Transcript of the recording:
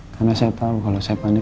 karena saya tahu kalau saya panik